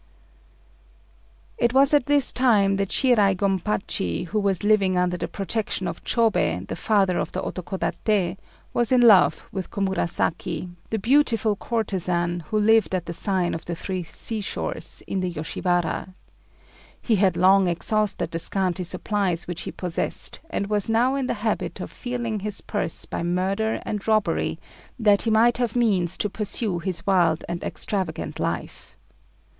] It was at this time that Shirai Gompachi, who was living under the protection of Chôbei, the Father of the Otokodaté, was in love with Komurasaki, the beautiful courtesan who lived at the sign of the Three Sea shores, in the Yoshiwara. He had long exhausted the scanty supplies which he possessed, and was now in the habit of feeding his purse by murder and robbery, that he might have means to pursue his wild and extravagant life.